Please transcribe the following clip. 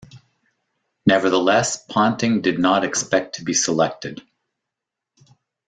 Nevertheless, Ponting did not expect to be selected.